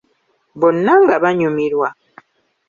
Bonna nga banyumirwa!